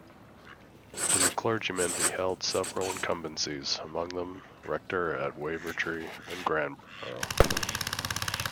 As a clergyman he held several incumbencies, among them rector at Wavertree and Granborough.